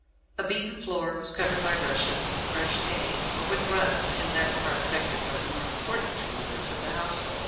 A beaten floor was covered by rushes and fresh hay, or with rugs in that part affected by the more important members of the household.